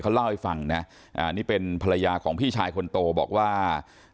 เขาเล่าให้ฟังนะนี่เป็นภรรยาของพี่ชายคนโตบอกว่า